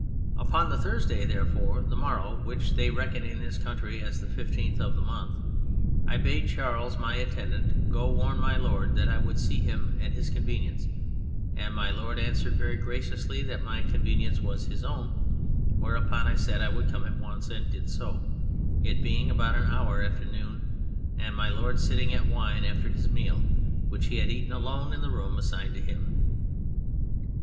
Upon the Thursday, therefore, the morrow, which they reckon in this country as the 1 5th of the month, I bade Charles, my attendant, go warn My Lord that I would see him at his convenience, and My Lord answered very graciously that my convenience was his own, whereupon I said I would come at once, and did so, it being about an hour after noon, and My Lord sitting at wine after his meal, which he had eaten alone in the room assigned to him.